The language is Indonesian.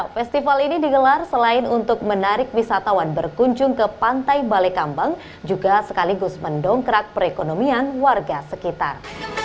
festival ini digelar selain untuk menarik wisatawan berkunjung ke pantai balai kambang juga sekaligus mendongkrak perekonomian warga sekitar